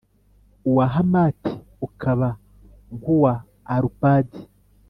uwa Hamati ukaba nk’uwa Arupadi,